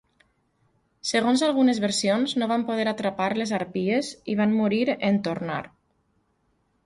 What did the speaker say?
Segons algunes versions, no van poder atrapar les harpies i van morir en tornar.